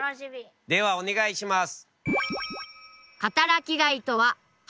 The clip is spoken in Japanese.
ではお願いします。